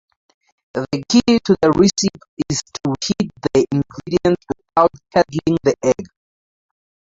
The key to the recipe is to heat the ingredients without curdling the egg.